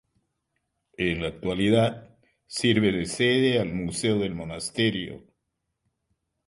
En la actualidad sirve de sede al museo del monasterio.